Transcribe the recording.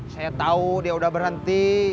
saya tau dia udah berhenti